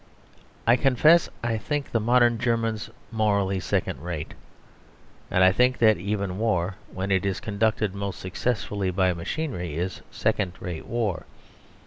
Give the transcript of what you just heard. I confess I think the modern Germans morally second rate, and I think that even war, when it is conducted most successfully by machinery, is second rate war.